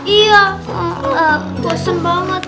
iya bosen banget